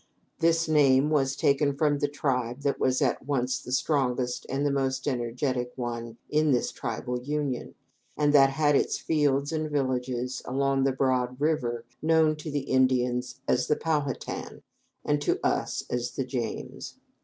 This name was taken from the tribe that was at once the strongest and the most energetic one in this tribal union, and that had its fields and villages along the broad river known to the Indians as the Pow ha tan, and to us as the James.